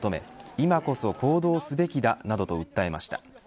今こそ行動すべきだなどと訴えました。